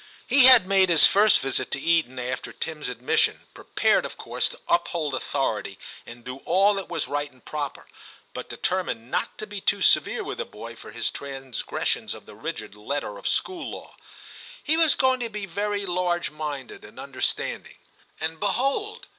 He had made his first visit to Eton after Tim's admission prepared of course to uphold authority and do all that was right and proper, but determined not to be too severe with the boy for his trans gressions of the rigid letter of school law ; he was going to be very large minded and under I VII TIM 151 Standing. And behold